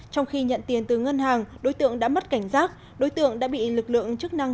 trong khi nhận tiền từ ngân hàng đối tượng đã mất cảnh giác đối tượng đã bị lực lượng chức năng